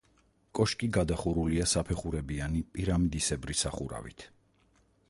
კოშკი გადახურულია საფეხურებიანი პირამიდისებრი სახურავით.